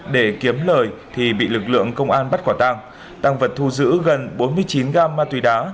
để kiếm lời thì bị lực lượng công an bắt quả tăng tăng vật thu giữ gần bốn mươi chín gam ma túy đá